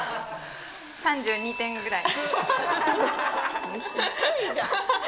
３２点くらい。